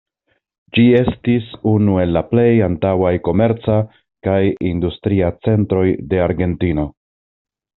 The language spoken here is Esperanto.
Ĝi estis unu el la plej antaŭaj komerca kaj industria centroj de Argentino.